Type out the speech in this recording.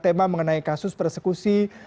tema mengenai kasus persekusi